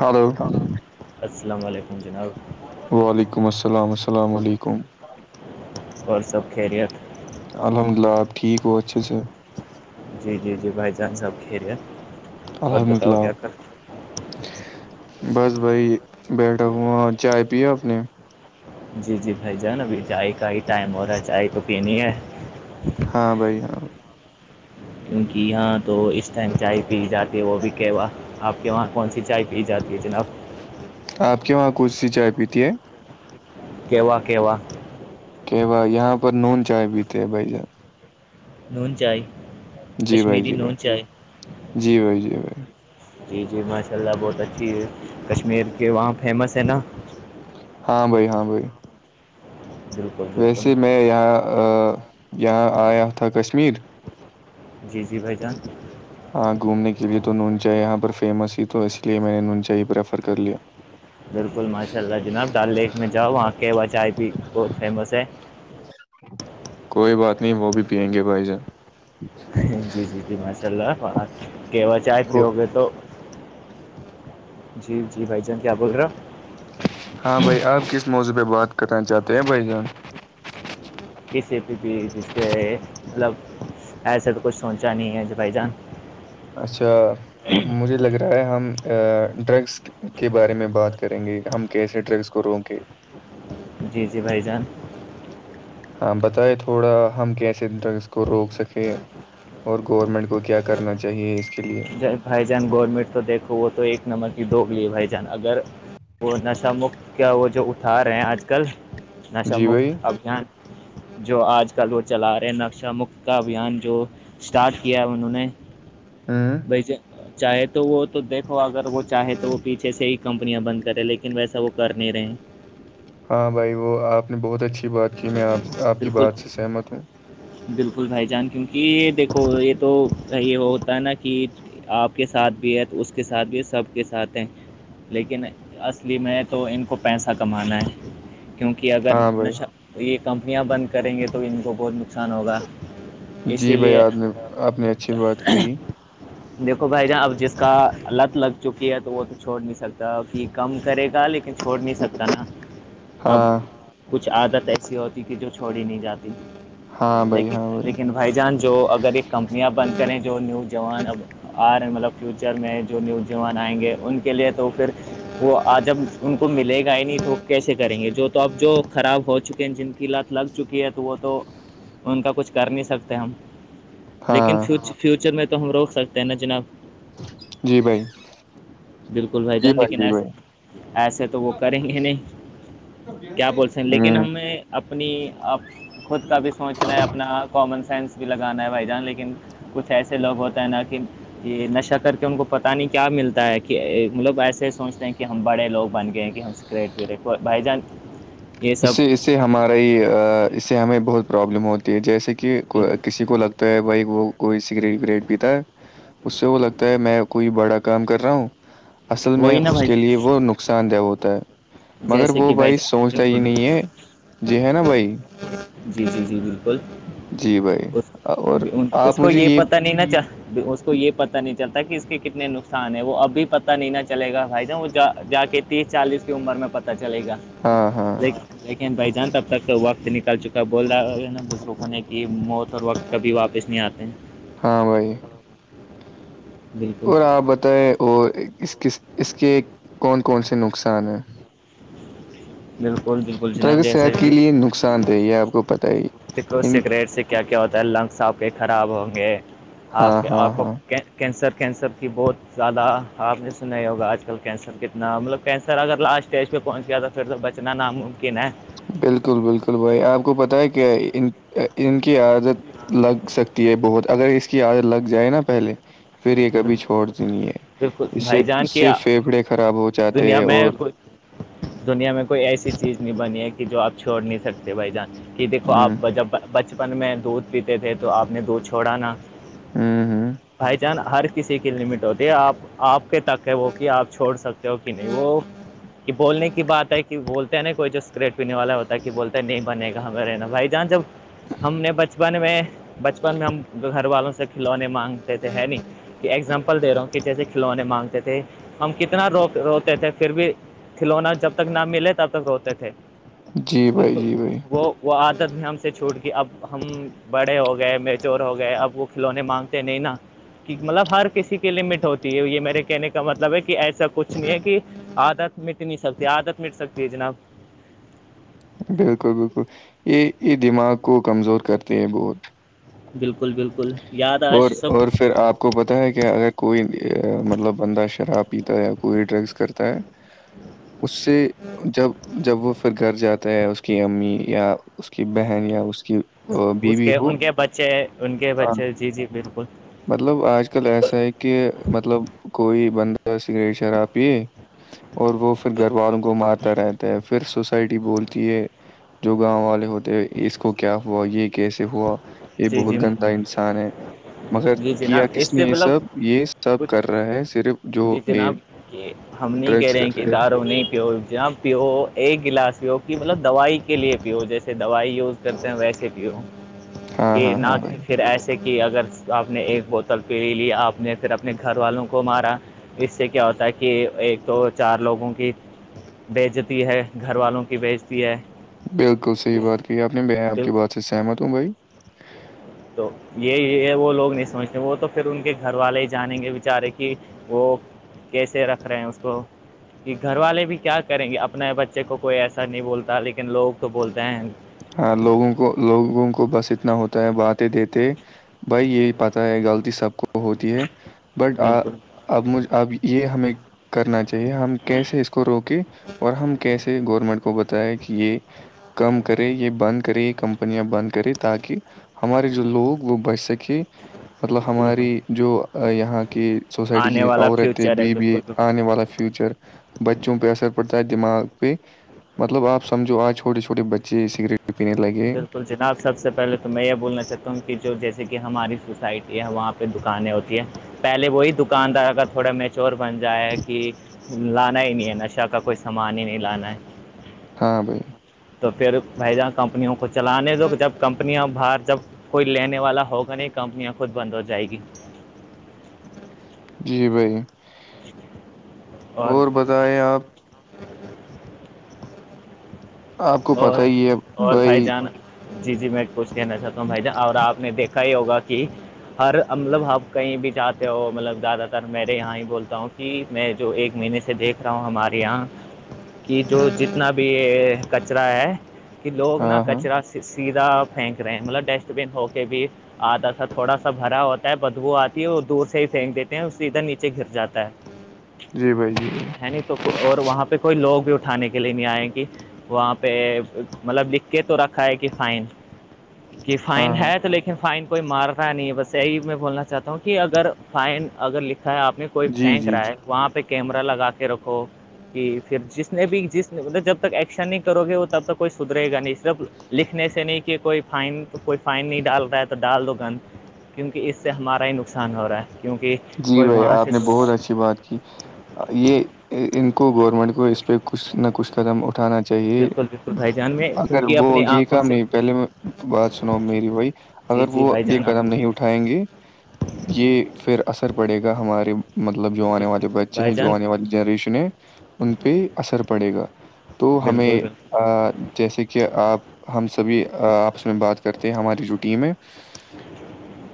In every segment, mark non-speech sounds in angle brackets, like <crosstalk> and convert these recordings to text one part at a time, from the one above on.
hello السلام علیکم جناب وعلیکم السلام السلام علیکم اور سب خریت الحمد للہ آپ ٹھیک وہ ہوتچ سر جی جی جی بھائی جان سب خیریت اور بتاؤ الحمدللہ کیا کر بس بھائی بیٹھا ہوا چائے پییا آپ نے جی جی بھائی جان ابھی چائے کا ہی ٹائم ہو رہا ہے چائے تو پینی ہے ہاں بھائی ہاں کیونکہ یہاں تو اس ٹائم چائے پی جاتی ہے وہ بھی کیہوا آپ کے وہاں کون سی چائے پی جاتی ہے جناب آپ کے وہاں کون سی چائے پیتی ہے کہوا کہوا کہوا یہاں پر نون چائے پیتے ہیں بھائی جان نون چائے جی بھائی کشمیری جی بھائی نون چائے جی بھائی جی بھائی جی جی ماشاء اللہ بہت اچھی ہے کشمیر کے وہاں فیمس ہے نا ہاں بھائی ہاں بھائی بالکل بالکل ویسے میں یہاں یہاں آیا تھا کشمیر جی جی بھائی جان ہاں گھومنے کے لیے تو نون چائے یہاں پر فیمس ہی تو اس لیے میں نے نون چائے ہی پریفر کر لیا بالکل ماشاء اللہ جناب ڈل لیک میں جاؤ وہاں کے چائے بھی بہت فیمس ہے کوئی بات نہیں وہ بھی پیئیں گے بھائی جان جی جی جی جی ماشاء اللہ کہوہ چائے وہ پیو گے تو جی جی بھائی جان کیا بگر رہا ہاں بھائی آپ کس موضوعہ بات کرنا چاہتے ہیں بھائی جان کسی بھی بھی پہ مطلب ایسے تو کچھ سوچا نہیں ہے کہ بھائی جان اچھا مجھے لگ رہا ہے ہم ڈرگس کے کے بارے میں بات کریں گے ہم کیسے ڈرگس کو روکے جی جی بھائی جان ہاں بتائے تھوڑا ہم کیسے ڈرگس کو روک سکیں اور گورنمنٹ کو کیا کرنا چاہیے اس کے لیے بھائی جان گورنمنٹ تو دیکھو وہ تو ایک نمبر کی دوگ لیے بھائی جان اگر وہ نش مکت کیا وہ جو اٹھا رہے ہیں آج کل نش جی بھائی مکت ابھیان جو آج کل وہ چلا رہے ہیں نقشہ مکت کا ابھیان جو اسٹارٹ کیا انہوں نے ہاں <inaudible> چاہے تو وہ تو دیکھو اگر وہ چاہے تو وہ پیچھے سے ہی کمپنیاں بند کرے لیکن ویسا وہ کر نہیں رہے ہاں بھائی وہ آپ نے بہت اچھی بات کی میں آپ کی بالکل بات سے سہمت ہوں بالکل بھائی جان کیونکہ یہ دیکھو یہ توی ہوتا ہے نا کہ آپ کے ساتھ بھی ہے تو اس کے ساتھ بھی سب کے ساتھ ہیں لیکن اصلی میں تو ان کو پیسہ کمانا ہے کیونکہ کہ اگر ہاں بھائی نشیہ کمپنیاں بند کریں گے تو ان کو بہت نقصان ہوگا جی اسی بھائی لیے آپ نے آپ نے اچھی بات کہی دیکھو بھائی جان اب جس کا لت لگ چکی ہے تو وہ تو چھوڑ نہیں سکتا اب کم کرے گا لیکن چھوڑ نہیں سکتا نا <inaudible> اب کچھ عادت ایسی ہوتی کبھی جو چھوڑی نہیں جاتی ہاں بھائی لیکن ہاں لیکن بھائی جان جو اگر ایک کمپنیاں بند کریں جو نیو جوان اب آ رہے مطلب فیوچر میں جو نوجوان آئیں گے ان کے لیے تو پھر وہ آج اب ان کو ملے گا ہی نہیں تو کیسے کریں گے جو تو اب جو خراب ہو چکے ہیں جن کے کی لت لگ چکی ہے تو وہ تو ان کا کچھ کر نہیں سکتے ہم لیکن ہاں فیوچر فیوچر میں تو ہم روک سکتے ہیں نا جناب جی بھائی بالکل بھائی جی جان لیکن جی ایسے بھائی ایسے تو وہ کریں گے نہیں کیا بولتے ہیں ہ لیکن ہمیں اپنی خود کا بھی سوچنا ہے اپنا کامن سینس بھی لگانا ہے بھائی ج لیکن کچھ ایسے لوگ ہوتے ہیں نہ کہ یہ نشہ کر کے ان کو پتہ نہیں کیا ملتا ہے کہ مطلب ایسے سوچتے ہیں کہ ہم بڑے لوگ بن گئے ہیں کہ ہم کرٹ و بائی چانس <inaudible> <inaudible> اس سے اس سے ہماراری اس سے ہمیں بہت پرابلم ہوتی ہے جیسے کہ بالکل کسی کو لگتا تو بھائی وہ کوئی سگریٹ وگریٹ پیتا اس سے وہ لگتا ہے میں کوئی بڑا کام کر رہا ہوں اصل میں وہی نا اس بھائی کے لیے جان وہ نقصان دہ ہوتا ہے مگر جیسے وہ کہ بھائی جان سوچ بالکل نہیں ہے جی ہے نا بھائی جی جی جی جی جی بھائی اور اس آپ کو مجھے یہ پتا نہیں نا چ یہ پتا نہیں چلتا کہ اس کے کتنے نقصان ہیں وہ اب بھی پتا نہیں نہ چلےا بھائی جان وہ جا کے تیس چالیس کی عمر میں پتہ چلے گا ہاں ہاں لیکن لیکن بھائی جان تب تک وقت نکال چکا ہے بول رہا نا بزروگ ہونے کی موت سر وقت کبھی واپس نہیں آتے ہیں ہاں بھائی بالکل اور آپ بتائیں اور اس ک اس کے کون کون سے نقصان ہیں بالکل بالکل جناب ڈرگ جیسا صحت کے کی لیے نقصان دہ یہ آپ کو پتہ ہی س ان سے کیا کیا ہوتا ہے لنگس آپ کے خراب ہوں گے آپ ہاں کے ہاں آپ کو ہاں کینسر کینسر کی بہت زیادہ آپ نے سنا ہی ہوگا آج کل کینسر کتنا مطلب کینسر اگر لاسٹ اسٹیج پہ پہنچ گیا تو پھر تو بچنا ناممکن ہے بالکل بالکل بھائی آپ کو پتہ ہے کیا ان ان کی عادت لگ سکتی ہے بہت اگر اس کی عادت لگ جائے نا پہلے پھر یہ کبھی چھوڑ دینی ہے بالکل اس سے بھائی جان اس سے کیا پھیپھڑے خراب ہو جاتے دنیا ہیں میں اور کوئی دنیا میں کوئی ایسی چیز نہیں بنی ہے کہ جو آپ چھوڑ نہیں سکتے بھائی جان کہ دیکھو آپ ہوں جب بچپن میں دودھ پیتے تھے تو آپ نے دودھ چھوڑا نا ہوں ہوں بھ جانا ہر کسی کی لمٹ ہوتی ہے آپ آپ کے تک ہے وہ کہ آپ چھوڑ سکتے ہو کہ نہیں وہ کہ بولنے کی بات ہے کہ بولتے ہیں نا کوئی جو اسکریٹ پینے والا ہوتا ہے کہ بولتا نہیں بنے گا کہاں میں رہ نا بھائی جہاں جب ہم نے بچپن میں بچپن میں ہم گھر والوں سے کھلونے مانگتے تھے ہے ن ایگزامپل دے رہا ہوں کہ جیسے کھلونے مانگتے تھے ہم کتنا رو روتے تھے پھر بھی کھلونا جب تک نام ملے تب تک روتے تھے جی بھائی بالکل جی بھائی وہ وہ عادت نے ہم سے چھوٹ کی اب ہم بڑے ہو گئے میچور ہو گئے اب وہ کھلونے مانگتے ہیں نہیں نا <unintelligible> کہ مطلب ہر کسی کی لمٹ ہوتی ہے یہ میرے کہنے کا مطلب ہے کہ ایسا کچھ نہیں ہے کہ عادت مٹ نہیں سکتی عدت مٹ سکتی ہے جناب بالکل بالکل یہ یہ دماغ کو کمزور کرتے ہیں بہت بالکل بالکل <unintelligible> اور آج اور سب پھر آپ آ کو پتاہ ہے کہ اگر کوئی مطلب بندہ شراب پیتا ہے یا کوئی ڈرگس کرتا ہے <unintelligible> اس سے جب <unintelligible> جب وہ پھر گھر جاتا ہے اس کی امی یا اس کی بہن یا اس کی آ، اس بیوی کے ہو ان کے بچے ان کے آ، بچے جی جی بالکل <unintelligible> مطلب آج کل ایسا ہے کہ مطلب کوئی بندہ سگریٹ شارب پیے اور وہ پھر گھر والوں کو مارتا رہتا ہے پھر سس سوٹی بولتی ہے جو گاؤں والے ہوتے اس کو کیا ہوا یہ کیسے ہوا <unintelligible> یہ جی جی بہت گندھا انسان ہے <unintelligible> مگر جی جناب کیا اس کس نے سے یہ مطلب سب یہ سب کچھ کر رہا ہے صرف جو جی یہ جناب <unintelligible> کہ ہم نہیں کہہ رہے ہیں کہ لارو نہیں پی جہاں <unintelligible> پیو ایک گلاس پیو کہ مطلب دوائی کے لیے پیو جیسے دوائی یوز کرتے ہیں ویسے پیو <unintelligible> ہاں کہ ہاں نہ ہاں کہ بھائی پھر ایسے کہ اگر تو آپ نے ایک بوتل پیری لی آپ نے پھر اپنے گھر والوں کو مارا <unintelligible> اس سے کیا ہوتا ہے کہ ایک تو چار لوگوں کی بیچتی ہے گھر والوں کی بیچتی ہے بالکل صحیح بات کہ آپ نے میں آپ بالکل کی بات سے سہمت ہوں بھائی تو یہ یہ وہ لوگ نہیں سمجھتے وہ تو پھر ان کے گھر والے ہی جانیں گے بیچارے کی وہ کیسے رکھ رہے ہیں اس کو کہ گھر والے بھی کیا کریں گے اپنے بچے کو کوئی ایسا نہیں بولتا لیکن لوگ تو بولتے ہیں ہاں لوگوں کو لوگوں کو بس اتنا ہوتا ہے باتیں دیتے بھائی یہی پتا ہے غلطی سب کو ہوتی ہے بٹ بالکل اب مجھ اب یہ ہمیں کرنا چاہیے ہم کیسے اس کو روکے اور ہم کیسے گورنمنٹ کو بتایا کہ یہ کم کرے یہ بند کرے یہ کمپنیاں بند کرے تاکہ ہمارے جو لوگ وہ بس سک کہ مطلب بالکل ہماری جو یہاں کی سوسائٹی آنے کی والا عورتیں فیوچر ہے بی بی بالکل ا بالکل <unintelligible> آنے والا فیوچر <unintelligible> بچوں پہ اثر پڑتا ہے دماغ پہ مطلب آپ سمجھو آج چھوٹے چھوٹے بچے سگریٹ پینے لگے بالکل جناب <unintelligible> سب سے پہلے تو میں یہ بولنا چاہتا ہوں کہ جو جیسے کہ ہماری سوسائٹی ہے وہاں پہ دکانیں ہوتی ہیں <unintelligible> پہلے وہی دکاندار اگر تھوڑا میچور بن جائے کہ لانا ہی نہیں ہے نشہ کا کوئی سامان ہی نہیں لانا ہے ہاں بھائی تو پھر بھائی جان کمپنیوں کو چلانے دو جب کمپنیاں باہر جب کوئی لینے والا ہوگا نہیں کمپنیاں خود بند ہو جائےیں گی جی بھائی <unintelligible> ج <unintelligible> اور بتائیں آپ <unintelligible> <inaudible> آپ کو پت اور ہی ہے اور بھائی جان <unintelligible> جی جی میں کوچھ کہنا چاہتا ہوں بھائی جان اور آپ نے دیکھا ہی ہوگا کہ ہر مطلب آپ کہیں بھی جاتے ہو مطلب زیادہ تر میںے یہاں ہی بولتا ہوں کہ کہ میں جو ایک مہینے سے دیکھ رہا ہوں ہمارے یہاں کہ جو جتنا بھی کچرا ہے کہ لوگ نا ہاں ہاں کچرا سیدھا پھینک رہے ہیں مطلب ڈسٹ بن ہو کے بھی آدھا سا تھوڑا سا بھرا ہوتا بدبو آتی ہے وہ دور سے ہی پھینک دیتے ہیں اس سے ادھر نیچے گر جاتا ہے جی بھائی جی بھائی ہے ن تو اور وہاں پہ کوئی لوگ بھی اٹھانے کے لیے نہیں آئیں گی وہاں پہ مطلب لکھ کے تو رکھا ہے کہ فائن کہ ہاں فائن ہاں ہے تو لیکن فائن کوئی مار رہا نہیں ہے بس یہی میں بولنا چاہتا ہوں کہ اگر فائن اگر لکھا ہے آپ نے کوئی جی پھینک جی رہا جی ہے وہاں پہ کیمرہ لگا کے رکھو کہ پھر جس نے بھی جس مطلب جب تک ایکشن نہیں کرو گے وہ تب تک کوئی سدرے گا نہیں صرف لکھنے سے نہیں کہ کوئی فائن کوئی فائن نہیں ڈال رہا ہے تو ڈال دو گند کیونکہ اس سے ہمارا ہی نقصان ہو رہا ہے کیونکہ جی کوئی بھائی وہاں سے آپ نے بہت اچھی بات کی یہ ان کو گورنمنٹ کو اس پہ کچھ نہ کچھ قدم اٹھانا چاہیے بالکل بالکل بھائی جان میں اگر کیونکہ وہ اپنی یہ آنکھوں کام سے نہیں پہلے بات سناوؤ میری بھائی جی اگر جی وہ بھائی یہ جان آپ قدم نہیں اٹ اٹھائیں گے یہ پھر اثر پڑے گا ہمارے مطلب جو آنے والے بچے بھائی ہیں جو جان آنے والی جنریشن ہے ان پہ اثر پڑے گا <unintelligible> تو بالکل ہمیں بالکل جیسے کہ آپ ہم سبھی آپس میں بات کرتے ہیں ہماری جو ٹیم ہے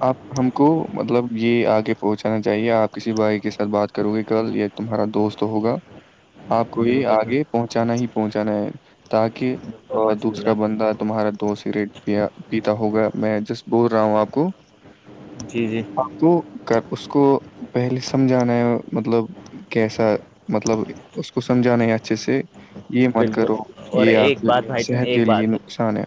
آپ ہم کو مطلب یہ آگے پہنچانا چاہیے آپ کسی بھائی کے ساتھ بات کرو گے کل یا تمہارا دوست ہوگا آپ کو یہ بالکل آگے پہنچانا ہی پہنچانا ہے تاکہ بالکل ماشاء دوسرا اللہ بندہ تمہارا دو س ریٹ پیا پیتا ہوگا میں جسٹ بول رہا ہوں آپ کو جی جی آپ کو کر اس کو پہلے سمجھانا ہے مطلب کہسا مطلب اس کو سمجھانا اچھے سے یہ مت کرو بالکل اور یہ آپ ایک کے بات بھائی جان صحت ایک کے لیے بات نقصان ہے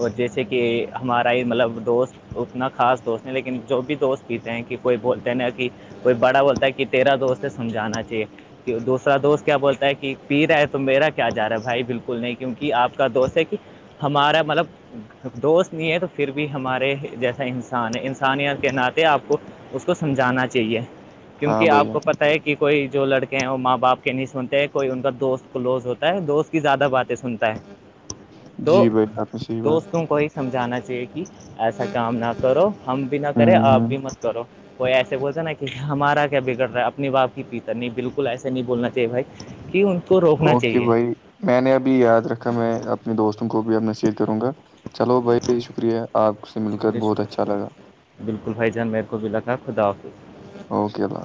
اور جیسے کہ ہمارا ہی مطلب دوست اتنا خاص دوست نہیں لیکن جو بھی دوست پیتے ہیں کہ کوئی بولتے ہیں نا کہ کوئی بڑا بولتا ہے ک تیرا دوست ہے سجھانا چاہیے کہ دوسرا دوست کیا بولتا ہے کہ پیر تو تو میرا کیا جا رہا ہے بھائی بالکل نہیں کیونکہ آپ کا دوست ہے کہ ہمارا مطلب دوست نہیں ہے تو پھر بھی ہمارے جیسا انسان ہے انسانیت کے ناتے آپ کو اس کو سمجھانا چاہیے ہاں کیونکہ آپ بھائی ہاں کو پتا ہے کہ کوئی جو لڑکے ہیں وہ ماں باپ کے نہیں سنتے ہیں کوئی ان کا دوست کلوز ہوتا ہے دوست کی زیادہ باتیں سنتا ہے تو جی بھائی آپ نے صحیح بات دوستوں کو ہی سمجھانا چاہیے کہ ایسا کام نہ کرو ہم بھی نہ کریں ہوں آپ ہوں بھی مت کرو کوئی ایسے بولتا نا کہ ہمارا کیا بگڑ رہا ہے اپنے باپ کی پیتر نہیں بالکل ایسے نہیں بولنا چاہیے بھائی کی ہن اوکے بھائی میں نے ابھی یاد رکھا میں اپنے دوستوں کو بھی اب میں شیئر کروں گا چلو بھائی شکریہ آپ سے مل کر شکریہ بہت اچھا شکریہ لگا بالکل بھائی جان میرے کو بھی لکھا خدا حافظ اوکے الا